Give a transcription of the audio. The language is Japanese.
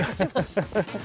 アハハハ。